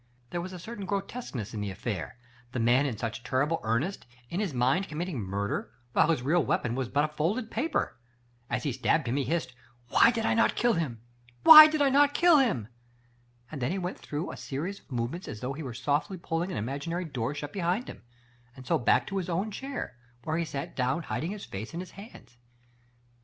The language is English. There was a certain grotesqueness in the affair— the man in such terrible earnest, in his mind com mitting murder, while his real weapon was but a folded paper. As he stabbed he hissed, Why did I not kill him? Why did I not kill him? Then he went through a series of movements as though he were softly pulling an imaginary door shut behind him, and so back to his own chair, where he sat down hiding his face in his hands.